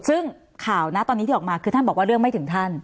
ซึ่งข่าวนะตอนนี้ที่ออกมาคือท่านบอกว่าเรื่องไม่ถึงท่าน